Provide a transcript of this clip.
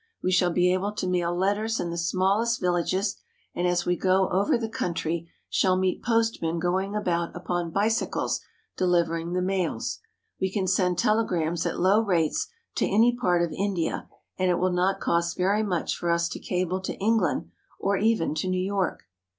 We shall be able to mail letters in the smallest villages, and as we go over the country shall meet postmen going about upon bicycles delivering the mails. We can send telegrams at low rates to any part of India, and it will not cost very much for us to cable to England, or even to New York.